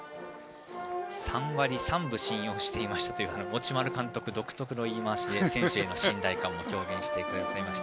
３割３分信用していましたという持丸監督、独特の言い回しで選手への信頼感を表現してくださいました。